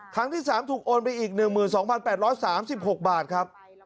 ครั้งที่๓ถูกโอนไปอีก๑๒๘๓๖บาทครับ